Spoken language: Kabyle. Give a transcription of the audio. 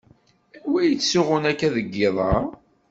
Anwa yettsuɣun akka deg iḍ-a?